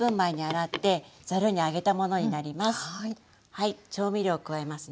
はい調味料を加えますね。